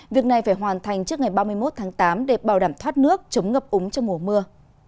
việc này phải hoàn thành trước ngày ba mươi một tháng tám để bảo đảm thoát nước chống ngập úng trong mùa mưa